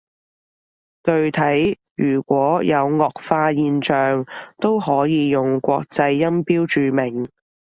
具體如果有顎化現象，都可以用國際音標注明